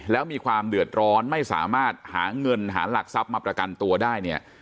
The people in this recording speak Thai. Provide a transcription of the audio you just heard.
แล้วมีความเดือดร้อนไม่สามารถหาเงินหาหลักทรัพย์มาประกันตัวได้เนี่ย